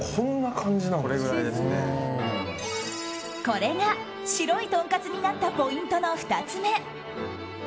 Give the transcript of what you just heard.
これが白いとんかつになったポイントの２つ目。